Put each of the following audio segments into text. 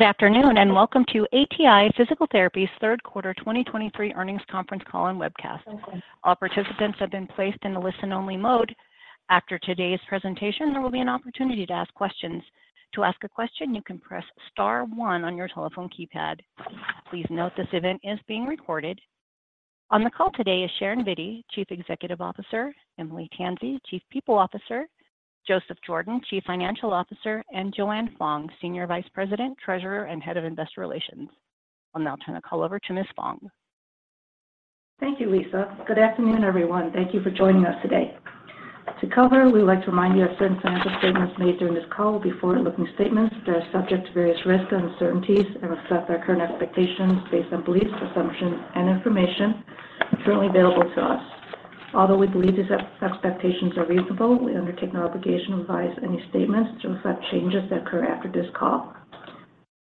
Good afternoon, and welcome to ATI Physical Therapy's third quarter 2023 earnings conference call and webcast. All participants have been placed in a listen-only mode. After today's presentation, there will be an opportunity to ask questions. To ask a question, you can press star one on your telephone keypad. Please note this event is being recorded. On the call today is Sharon Vitti, Chief Executive Officer, Eimile Tansey, Chief People Officer, Joseph Jordan, Chief Financial Officer, and Joanne Fong, Senior Vice President, Treasurer, and Head of Investor Relations. I'll now turn the call over to Ms. Fong. Thank you, Lisa. Good afternoon, everyone. Thank you for joining us today. To cover, we would like to remind you that certain financial statements made during this call will be forward-looking statements that are subject to various risks and uncertainties and reflect our current expectations based on beliefs, assumptions, and information currently available to us. Although we believe these expectations are reasonable, we undertake no obligation to revise any statements to reflect changes that occur after this call.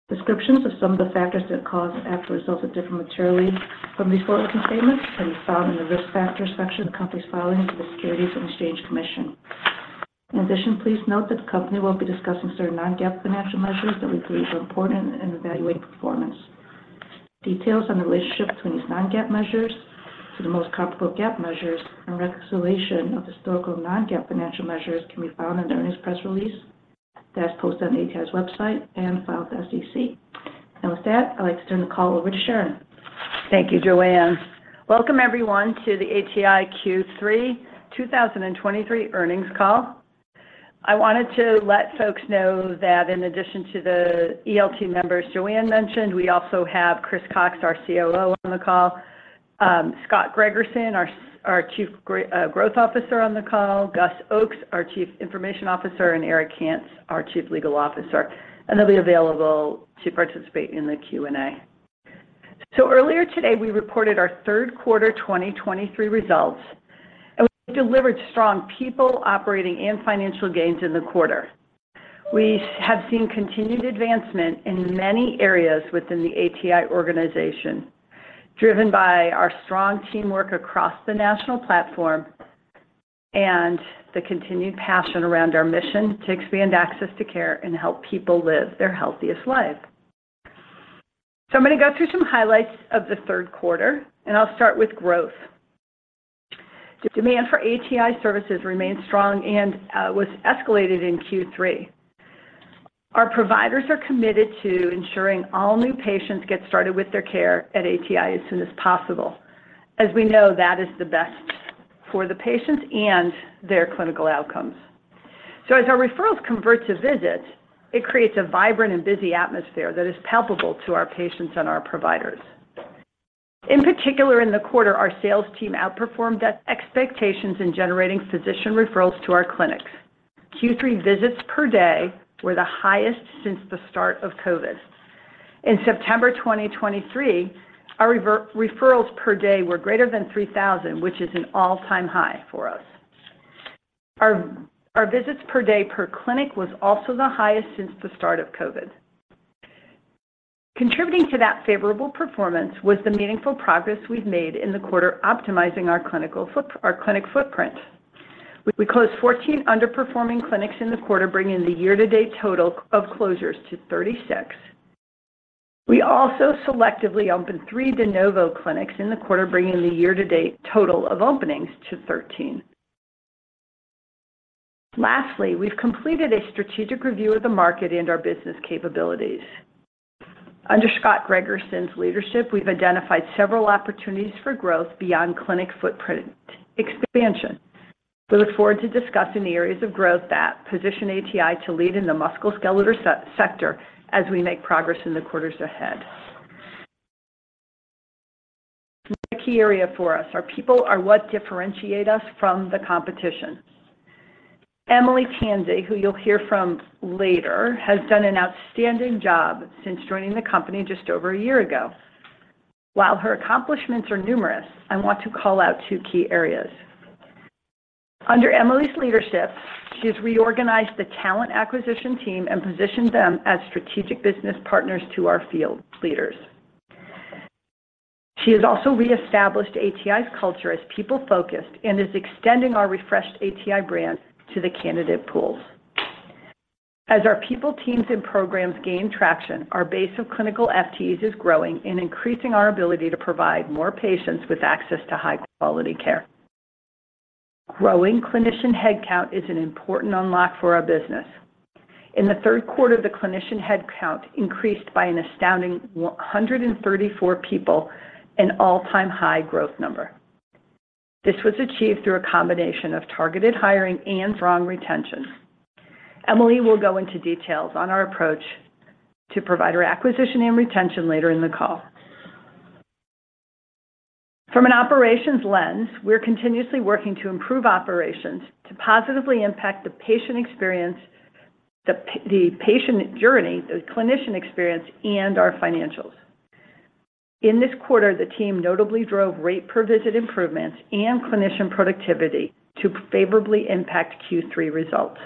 Descriptions of some of the factors that cause actual results to differ materially from these forward-looking statements can be found in the Risk Factors section of the company's filings with the Securities and Exchange Commission. In addition, please note that the company will be discussing certain non-GAAP financial measures that we believe are important in evaluating performance. Details on the relationship between these non-GAAP measures to the most comparable GAAP measures and reconciliation of historical non-GAAP financial measures can be found in the earnings press release that is posted on ATI's website and filed with SEC. And with that, I'd like to turn the call over to Sharon. Thank you, Joanne. Welcome, everyone, to the ATI Q3 2023 earnings call. I wanted to let folks know that in addition to the ELT members Joanne mentioned, we also have Chris Cox, our COO, on the call, Scott Gregerson, our Chief Growth Officer, on the call, Gus Oakes, our Chief Information Officer, and Erik Kantz, our Chief Legal Officer, and they'll be available to participate in the Q&A. Earlier today, we reported our third quarter 2023 results, and we delivered strong people, operating, and financial gains in the quarter. We have seen continued advancement in many areas within the ATI organization, driven by our strong teamwork across the national platform and the continued passion around our mission to expand access to care and help people live their healthiest life. So I'm gonna go through some highlights of the third quarter, and I'll start with growth. The demand for ATI services remained strong and was escalated in Q3. Our providers are committed to ensuring all new patients get started with their care at ATI as soon as possible. As we know, that is the best for the patients and their clinical outcomes. So as our referrals convert to visits, it creates a vibrant and busy atmosphere that is palpable to our patients and our providers. In particular, in the quarter, our sales team outperformed expectations in generating physician referrals to our clinics. Q3 visits per day were the highest since the start of COVID. In September 2023, our referrals per day were greater than 3,000, which is an all-time high for us. Our visits per day per clinic was also the highest since the start of COVID. Contributing to that favorable performance was the meaningful progress we've made in the quarter, optimizing our clinic footprint. We closed 14 underperforming clinics in the quarter, bringing the year-to-date total of closures to 36. We also selectively opened three de novo clinics in the quarter, bringing the year-to-date total of openings to 13. Lastly, we've completed a strategic review of the market and our business capabilities. Under Scott Gregerson's leadership, we've identified several opportunities for growth beyond clinic footprint expansion. We look forward to discussing the areas of growth that position ATI to lead in the musculoskeletal sector as we make progress in the quarters ahead. A key area for us, our people are what differentiate us from the competition. Eimile Tansey, who you'll hear from later, has done an outstanding job since joining the company just over a year ago. While her accomplishments are numerous, I want to call out two key areas. Under Eimile's leadership, she has reorganized the talent acquisition team and positioned them as strategic business partners to our field leaders. She has also reestablished ATI's culture as people-focused and is extending our refreshed ATI brand to the candidate pools. As our people, teams, and programs gain traction, our base of clinical FTEs is growing and increasing our ability to provide more patients with access to high-quality care. Growing clinician headcount is an important unlock for our business. In the third quarter, the clinician headcount increased by an astounding 134 people, an all-time high growth number. This was achieved through a combination of targeted hiring and strong retention. Eimile will go into details on our approach to provider acquisition and retention later in the call. From an operations lens, we're continuously working to improve operations to positively impact the patient experience, the patient journey, the clinician experience, and our financials. In this quarter, the team notably drove rate per visit improvements and clinician productivity to favorably impact Q3 results.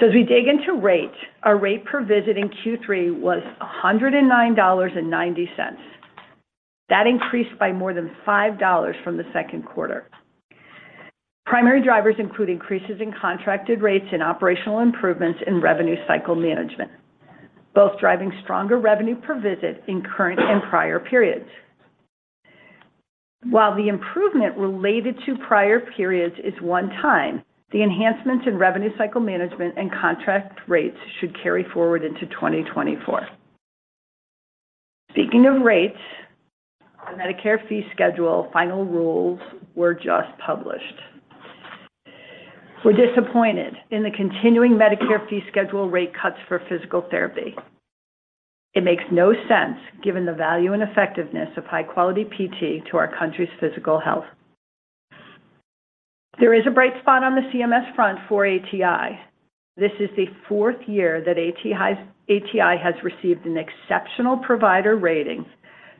So as we dig into rate, our rate per visit in Q3 was $109.90. That increased by more than $5 from the second quarter. Primary drivers include increases in contracted rates and operational improvements in revenue cycle management, both driving stronger revenue per visit in current and prior periods. While the improvement related to prior periods is one-time, the enhancements in revenue cycle management and contract rates should carry forward into 2024. Speaking of rates, the Medicare fee schedule final rules were just published. We're disappointed in the continuing Medicare fee schedule rate cuts for physical therapy. It makes no sense, given the value and effectiveness of high-quality PT to our country's physical health. There is a bright spot on the CMS front for ATI. This is the fourth year that ATI has received an exceptional provider rating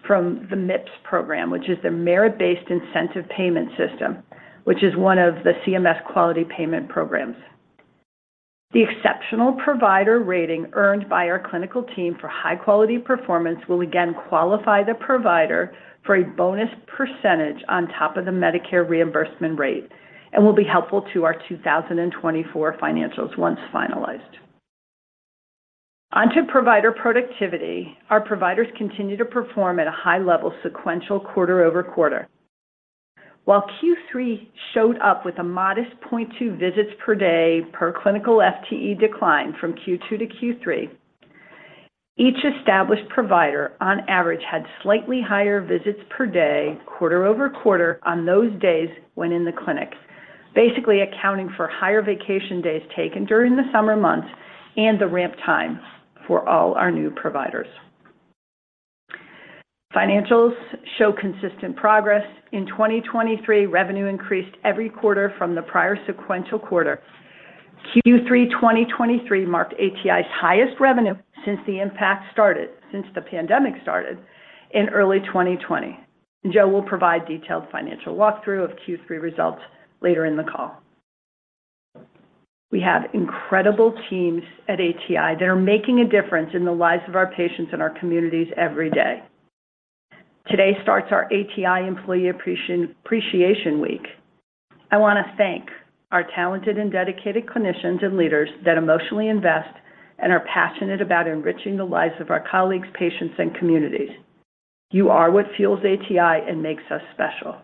from the MIPS program, which is the Merit-based Incentive Payment System, which is one of the CMS quality payment programs. The exceptional provider rating earned by our clinical team for high-quality performance will again qualify the provider for a bonus percentage on top of the Medicare reimbursement rate and will be helpful to our 2024 financials once finalized. Onto provider productivity. Our providers continue to perform at a high level sequential quarter-over-quarter. While Q3 showed up with a modest 0.2 visits per day per clinical FTE decline from Q2 to Q3, each established provider, on average, had slightly higher visits per day, quarter-over-quarter on those days when in the clinics, basically accounting for higher vacation days taken during the summer months and the ramp time for all our new providers. Financials show consistent progress. In 2023, revenue increased every quarter from the prior sequential quarter. Q3 2023 marked ATI's highest revenue since the impact started, since the pandemic started in early 2020. Joe will provide detailed financial walkthrough of Q3 results later in the call. We have incredible teams at ATI that are making a difference in the lives of our patients and our communities every day. Today starts our ATI Employee Appreciation Week. I want to thank our talented and dedicated clinicians and leaders that emotionally invest and are passionate about enriching the lives of our colleagues, patients, and communities. You are what fuels ATI and makes us special.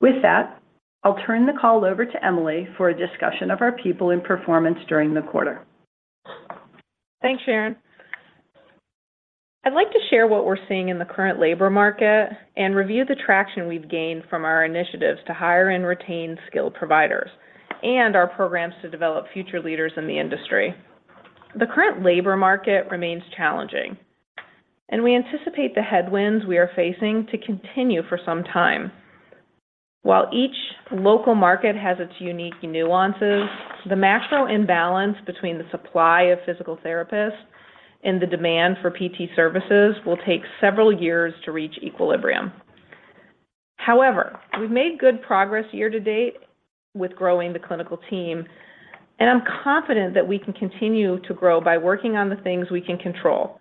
With that, I'll turn the call over to Eimile for a discussion of our people and performance during the quarter. Thanks, Sharon. I'd like to share what we're seeing in the current labor market and review the traction we've gained from our initiatives to hire and retain skilled providers, and our programs to develop future leaders in the industry. The current labor market remains challenging, and we anticipate the headwinds we are facing to continue for some time. While each local market has its unique nuances, the macro imbalance between the supply of physical therapists and the demand for PT services will take several years to reach equilibrium. However, we've made good progress year to date with growing the clinical team, and I'm confident that we can continue to grow by working on the things we can control,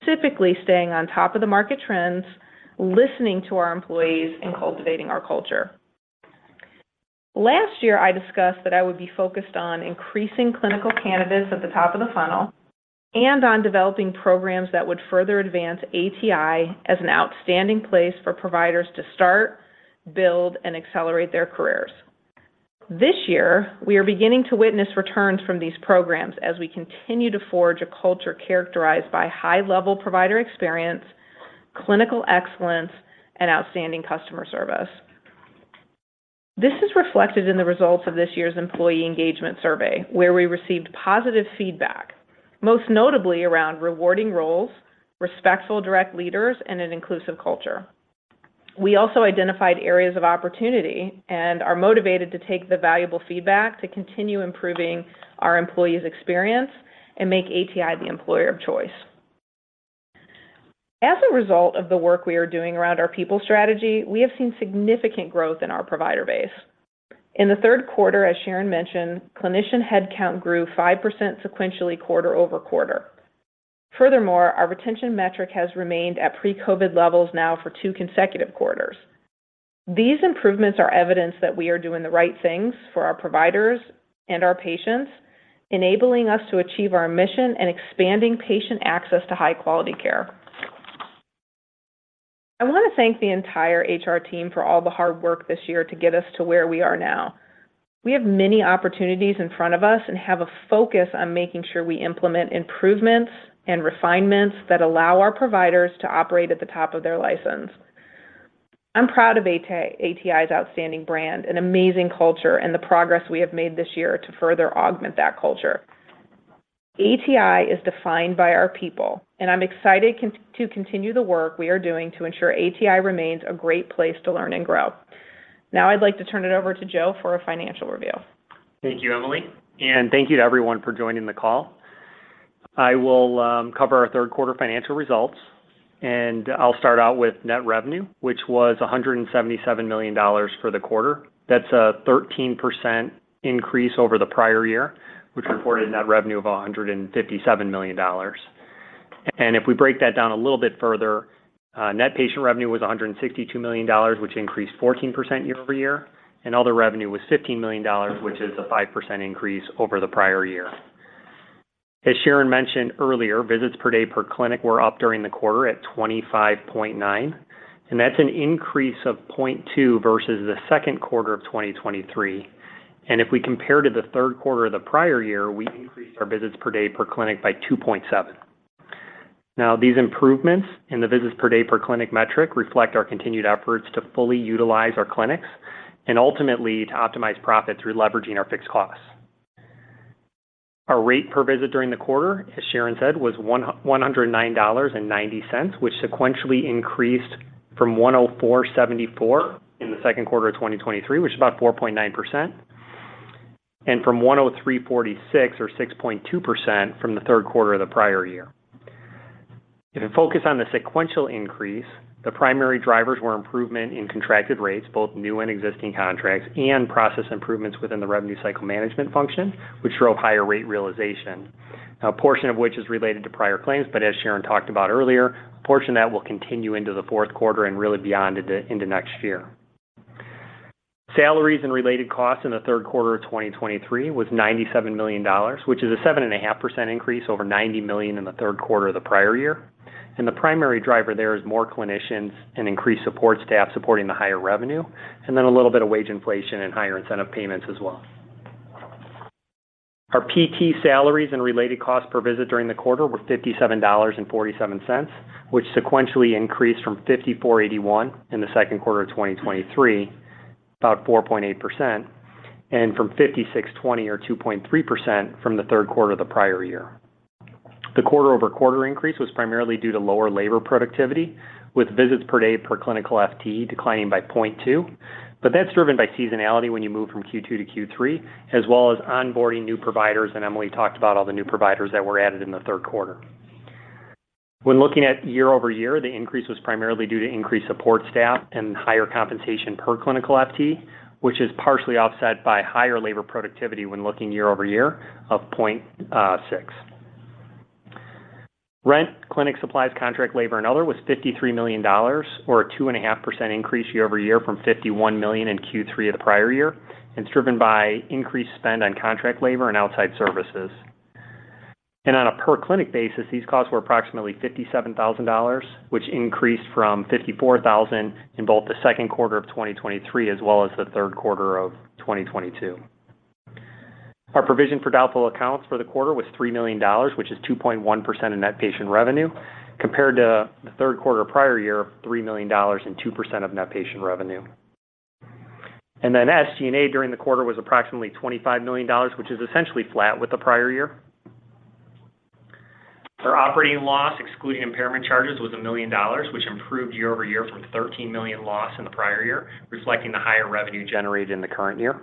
specifically staying on top of the market trends, listening to our employees, and cultivating our culture. Last year, I discussed that I would be focused on increasing clinical candidates at the top of the funnel and on developing programs that would further advance ATI as an outstanding place for providers to start, build, and accelerate their careers. This year, we are beginning to witness returns from these programs as we continue to forge a culture characterized by high-level provider experience, clinical excellence, and outstanding customer service. This is reflected in the results of this year's employee engagement survey, where we received positive feedback, most notably around rewarding roles, respectful direct leaders, and an inclusive culture. We also identified areas of opportunity and are motivated to take the valuable feedback to continue improving our employees' experience and make ATI the employer of choice. As a result of the work we are doing around our people strategy, we have seen significant growth in our provider base. In the third quarter, as Sharon mentioned, clinician headcount grew 5% sequentially quarter-over-quarter. Furthermore, our retention metric has remained at pre-COVID levels now for two consecutive quarters. These improvements are evidence that we are doing the right things for our providers and our patients, enabling us to achieve our mission and expanding patient access to high-quality care. I want to thank the entire HR team for all the hard work this year to get us to where we are now. We have many opportunities in front of us and have a focus on making sure we implement improvements and refinements that allow our providers to operate at the top of their license. I'm proud of ATI's outstanding brand, an amazing culture, and the progress we have made this year to further augment that culture. ATI is defined by our people, and I'm excited to continue the work we are doing to ensure ATI remains a great place to learn and grow. Now, I'd like to turn it over to Joe for a financial review. Thank you, Eimile, and thank you to everyone for joining the call. I will cover our third quarter financial results, and I'll start out with net revenue, which was $177 million for the quarter. That's a 13% increase over the prior year, which reported net revenue of $157 million. And if we break that down a little bit further, net patient revenue was $162 million, which increased 14% year-over-year, and other revenue was $15 million, which is a 5% increase over the prior year. As Sharon mentioned earlier, visits per day per clinic were up during the quarter at 25.9, and that's an increase of 0.2 versus the second quarter of 2023. If we compare to the third quarter of the prior year, we increased our visits per day per clinic by 2.7. Now, these improvements in the visits per day per clinic metric reflect our continued efforts to fully utilize our clinics and ultimately to optimize profit through leveraging our fixed costs. Our rate per visit during the quarter, as Sharon said, was $109.90, which sequentially increased from $104.74 in the second quarter of 2023, which is about 4.9%, and from $103.46 or 6.2% from the third quarter of the prior year. If you focus on the sequential increase, the primary drivers were improvement in contracted rates, both new and existing contracts, and process improvements within the revenue cycle management function, which drove higher rate realization. A portion of which is related to prior claims, but as Sharon talked about earlier, a portion of that will continue into the fourth quarter and really beyond into, into next year. Salaries and related costs in the third quarter of 2023 was $97 million, which is a 7.5% increase over $90 million in the third quarter of the prior year. The primary driver there is more clinicians and increased support staff supporting the higher revenue, and then a little bit of wage inflation and higher incentive payments as well. Our PT salaries and related costs per visit during the quarter were $57.47, which sequentially increased from $54.81 in the second quarter of 2023, about 4.8%, and from $56.20 or 2.3% from the third quarter of the prior year. The quarter-over-quarter increase was primarily due to lower labor productivity, with visits per day per clinical FTE declining by 0.2. But that's driven by seasonality when you move from Q2 to Q3, as well as onboarding new providers, and Eimile talked about all the new providers that were added in the third quarter. When looking at year-over-year, the increase was primarily due to increased support staff and higher compensation per clinical FTE, which is partially offset by higher labor productivity when looking year-over-year of 0.6. Rent, clinic supplies, contract labor and other was $53 million or a 2.5% increase year-over-year from $51 million in Q3 of the prior year. It's driven by increased spend on contract labor and outside services. On a per clinic basis, these costs were approximately $57,000, which increased from $54,000 in both the second quarter of 2023, as well as the third quarter of 2022. Our provision for doubtful accounts for the quarter was $3 million, which is 2.1% of net patient revenue, compared to the third quarter prior year of $3 million and 2% of net patient revenue. Then SG&A during the quarter was approximately $25 million, which is essentially flat with the prior year. Our operating loss, excluding impairment charges, was $1 million, which improved year-over-year from $13 million loss in the prior year, reflecting the higher revenue generated in the current year.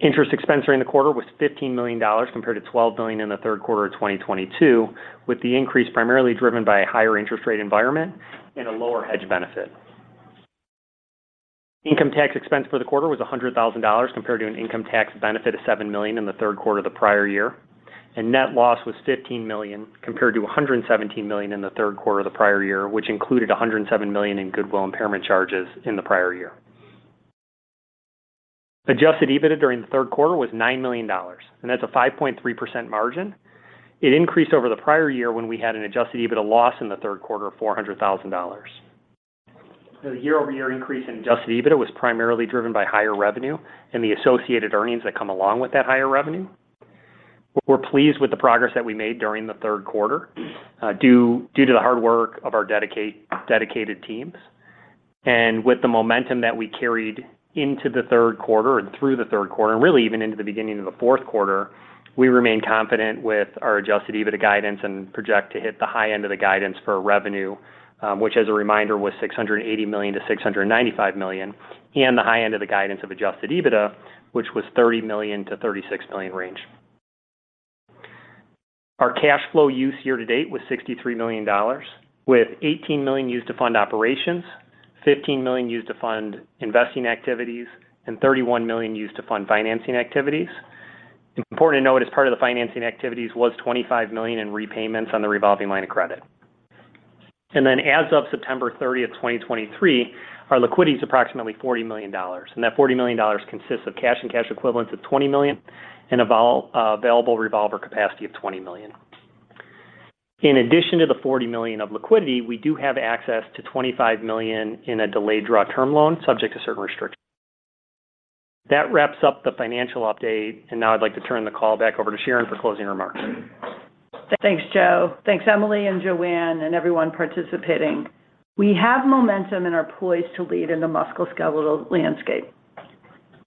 Interest expense during the quarter was $15 million, compared to $12 million in the third quarter of 2022, with the increase primarily driven by a higher interest rate environment and a lower hedge benefit. Income tax expense for the quarter was $100,000, compared to an income tax benefit of $7 million in the third quarter of the prior year, and net loss was $15 million, compared to $117 million in the third quarter of the prior year, which included $107 million in goodwill impairment charges in the prior year. Adjusted EBITDA during the third quarter was $9 million, and that's a 5.3% margin. It increased over the prior year when we had an Adjusted EBITDA loss in the third quarter of $400,000. The year-over-year increase in Adjusted EBITDA was primarily driven by higher revenue and the associated earnings that come along with that higher revenue. We're pleased with the progress that we made during the third quarter, due to the hard work of our dedicated teams. And with the momentum that we carried into the third quarter and through the third quarter, and really even into the beginning of the fourth quarter, we remain confident with our Adjusted EBITDA guidance and project to hit the high end of the guidance for revenue, which, as a reminder, was $680 million-$695 million, and the high end of the guidance of Adjusted EBITDA, which was $30 million-$36 million range. Our cash flow use year to date was $63 million, with $18 million used to fund operations, $15 million used to fund investing activities, and $31 million used to fund financing activities. Important to note, as part of the financing activities was $25 million in repayments on the revolving line of credit. Then as of September 30th, 2023, our liquidity is approximately $40 million, and that $40 million consists of cash and cash equivalents of $20 million and available revolver capacity of $20 million. In addition to the $40 million of liquidity, we do have access to $25 million in a delayed draw term loan, subject to certain restrictions. That wraps up the financial update, and now I'd like to turn the call back over to Sharon for closing remarks. Thanks, Joe. Thanks, Eimile and Joanne, and everyone participating. We have momentum and are poised to lead in the musculoskeletal landscape.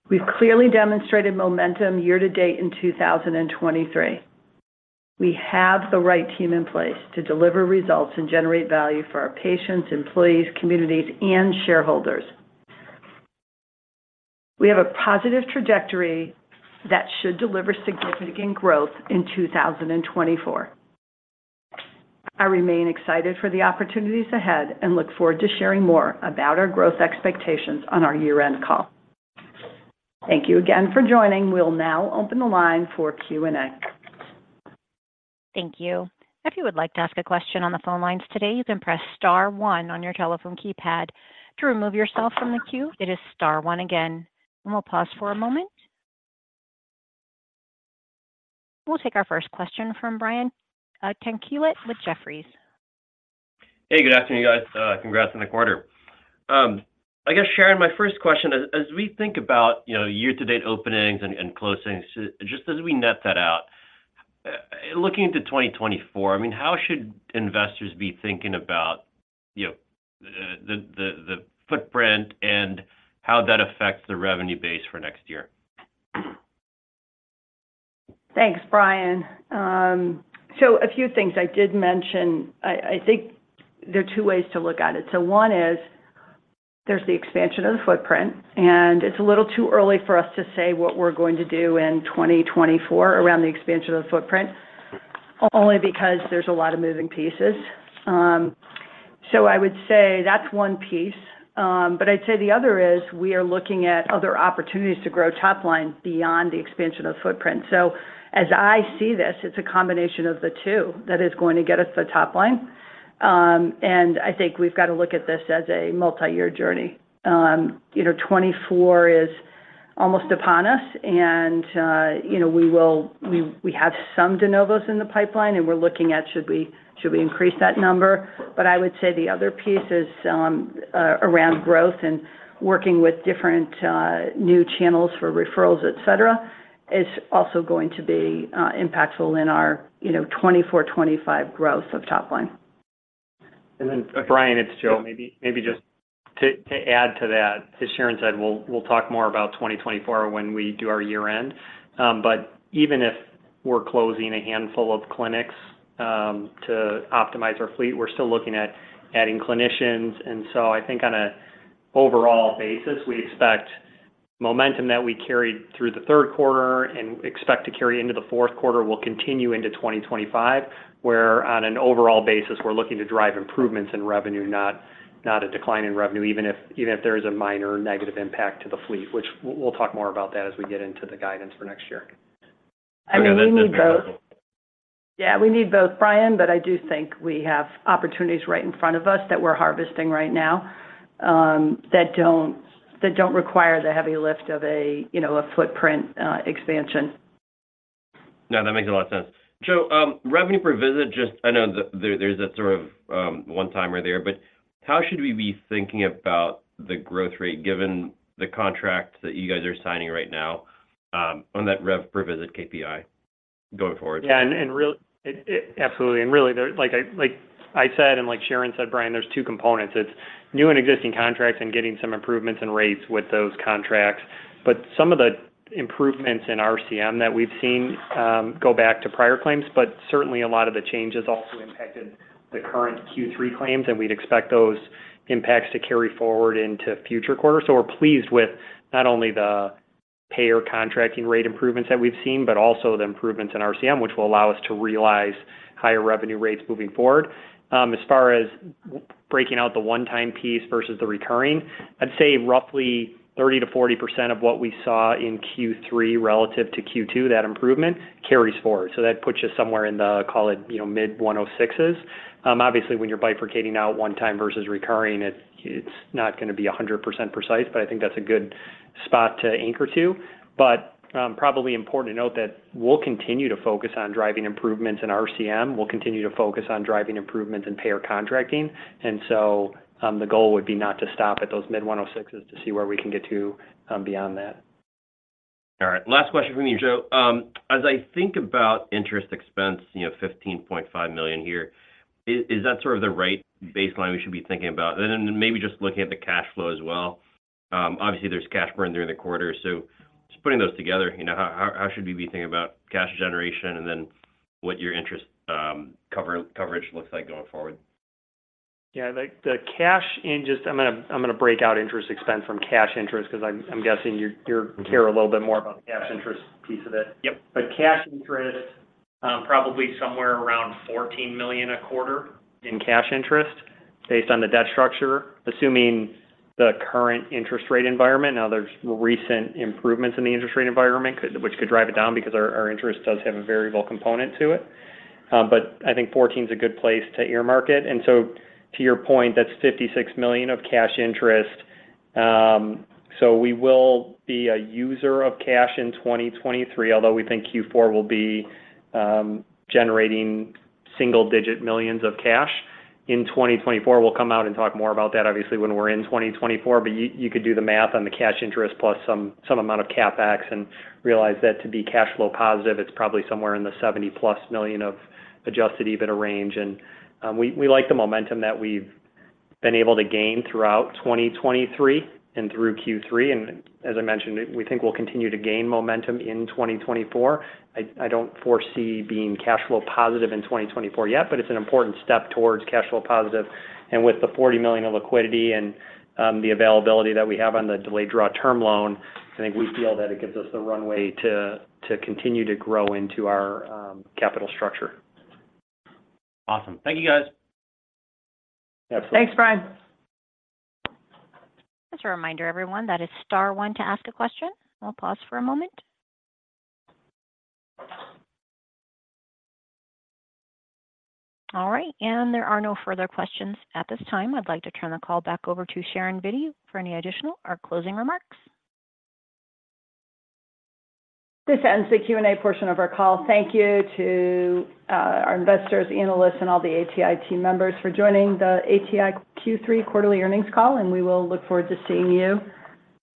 We've clearly demonstrated momentum year to date in 2023. We have the right team in place to deliver results and generate value for our patients, employees, communities, and shareholders. We have a positive trajectory that should deliver significant growth in 2024. I remain excited for the opportunities ahead and look forward to sharing more about our growth expectations on our year-end call. Thank you again for joining. We'll now open the line for Q&A. Thank you. If you would like to ask a question on the phone lines today, you can press star one on your telephone keypad. To remove yourself from the queue, it is star one again, and we'll pause for a moment. We'll take our first question from Brian Tanquilut with Jefferies. Hey, good afternoon, guys. Congrats on the quarter. I guess, Sharon, my first question is, as, as we think about, you know, year-to-date openings and, and closings, just as we net that out, looking into 2024, I mean, how should investors be thinking about, you know, the, the, the footprint and how that affects the revenue base for next year? Thanks, Brian. So a few things I did mention. I think there are two ways to look at it. So one is, there's the expansion of the footprint, and it's a little too early for us to say what we're going to do in 2024 around the expansion of the footprint, only because there's a lot of moving pieces. So I would say that's one piece. But I'd say the other is, we are looking at other opportunities to grow top line beyond the expansion of the footprint. So as I see this, it's a combination of the two that is going to get us the top line. And I think we've got to look at this as a multi-year journey. You know, 2024 is almost upon us, and, you know, we have some de novos in the pipeline, and we're looking at should we increase that number? But I would say the other piece is around growth and working with different new channels for referrals, et cetera, is also going to be impactful in our, you know, 2024/2025 growth of top line. And then, Brian, it's Joe. Maybe just to add to that, as Sharon said, we'll talk more about 2024 when we do our year-end. But even if we're closing a handful of clinics, to optimize our fleet, we're still looking at adding clinicians. And so I think on an overall basis, we expect momentum that we carried through the third quarter and expect to carry into the fourth quarter will continue into 2025, where on an overall basis, we're looking to drive improvements in revenue, not a decline in revenue, even if there is a minor negative impact to the fleet, which we'll talk more about that as we get into the guidance for next year. I know that does matter. I mean, we need both. Yeah, we need both, Brian, but I do think we have opportunities right in front of us that we're harvesting right now, that don't require the heavy lift of a, you know, a footprint expansion. No, that makes a lot of sense. So, revenue per visit, just... I know that there's a sort of one-timer there, but how should we be thinking about the growth rate, given the contracts that you guys are signing right now, on that rev per visit KPI going forward? Yeah, absolutely, and really, there's, like I said, and like Sharon said, Brian, there's two components. It's new and existing contracts and getting some improvements in rates with those contracts. But some of the improvements in RCM that we've seen go back to prior claims, but certainly a lot of the changes also impacted the current Q3 claims, and we'd expect those impacts to carry forward into future quarters. So we're pleased with not only the payer contracting rate improvements that we've seen, but also the improvements in RCM, which will allow us to realize higher revenue rates moving forward. As far as breaking out the one-time piece versus the recurring, I'd say roughly 30%-40% of what we saw in Q3 relative to Q2, that improvement, carries forward. So that puts us somewhere in the, call it, you know, mid-106s. Obviously, when you're bifurcating out one time versus recurring, it's not going to be 100% precise, but I think that's a good spot to anchor to. But, probably important to note that we'll continue to focus on driving improvements in RCM. We'll continue to focus on driving improvements in payer contracting, and so, the goal would be not to stop at those mid-106s to see where we can get to, beyond that. All right. Last question from you, Joe. As I think about interest expense, you know, $15.5 million here, is that sort of the right baseline we should be thinking about? And then maybe just looking at the cash flow as well. Obviously, there's cash burn during the quarter, so just putting those together, you know, how should we be thinking about cash generation and then what your interest coverage looks like going forward? Yeah, the cash interest, I'm gonna break out interest expense from cash interest because I'm guessing you care a little bit more about the cash interest piece of it. Yep. But cash interest, probably somewhere around $14 million a quarter in cash interest based on the debt structure, assuming the current interest rate environment. Now, there's recent improvements in the interest rate environment, which could drive it down because our interest does have a variable component to it. But I think 14 is a good place to earmark it. And so to your point, that's $56 million of cash interest. So we will be a user of cash in 2023, although we think Q4 will be generating single-digit millions of cash. In 2024, we'll come out and talk more about that, obviously, when we're in 2024. But you could do the math on the cash interest plus some amount of CapEx and realize that to be cash flow positive, it's probably somewhere in the $70+ million of Adjusted EBITDA range. We like the momentum that we've been able to gain throughout 2023 and through Q3, and as I mentioned, we think we'll continue to gain momentum in 2024. I don't foresee being cash flow positive in 2024 yet, but it's an important step towards cash flow positive. With the $40 million of liquidity and the availability that we have on the delayed draw term loan, I think we feel that it gives us the runway to continue to grow into our capital structure. Awesome. Thank you, guys. Absolutely. Thanks, Brian. Just a reminder, everyone, that is star one to ask a question. We'll pause for a moment. All right, and there are no further questions at this time. I'd like to turn the call back over to Sharon Vitti for any additional or closing remarks. This ends the Q&A portion of our call. Thank you to our investors, analysts, and all the ATI team members for joining the ATI Q3 quarterly earnings call, and we will look forward to seeing you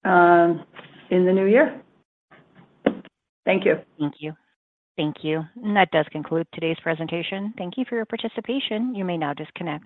in the new year. Thank you. Thank you. Thank you. That does conclude today's presentation. Thank you for your participation. You may now disconnect.